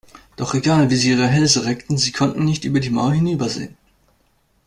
Doch egal, wie sie ihre Hälse reckten, sie konnten nicht über die Mauer hinübersehen.